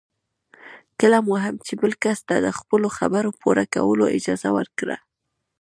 کله مو هم چې بل کس ته د خپلو خبرو پوره کولو اجازه ورکړه.